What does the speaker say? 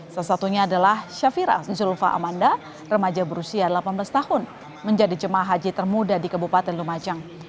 salah satunya adalah syafira suzulfa amanda remaja berusia delapan belas tahun menjadi jemaah haji termuda di kabupaten lumajang